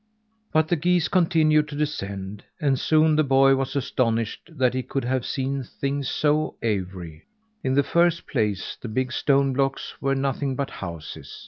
But the geese continued to descend, and soon the boy was astonished that he could have seen things so awry. In the first place, the big stone blocks were nothing but houses.